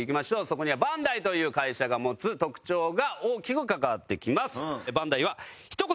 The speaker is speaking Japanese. そこにはバンダイという会社が持つ特徴が大きく関わってきます。